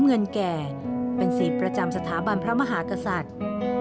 อาทิตย์บันพระมหากษัตริย์